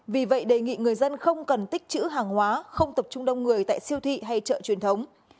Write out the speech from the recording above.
vì vậy đề nghị người dân không cần tích chữ hàng hóa không tập trung đông người tại siêu thị hay chợ truyền thống